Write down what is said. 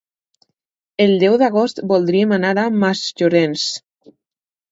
El deu d'agost voldríem anar a Masllorenç.